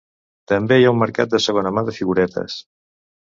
També hi ha un mercat de segona mà de figuretes.